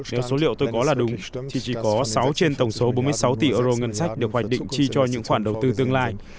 theo số liệu tôi có là đúng thì chỉ có sáu trên tổng số bốn mươi sáu tỷ euro ngân sách được hoành định chi cho những khoản đầu tư tương lai